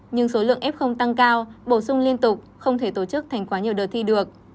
nhưng số lượng f tăng cao bổ sung liên tục không thể tổ chức thành quá nhiều đợt thi được